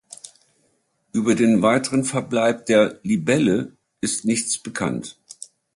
Über den weiteren Verbleib der "Libelle" ist nichts bekannt.